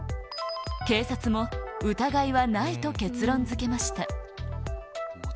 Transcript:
警察も疑いはないと結論づけました。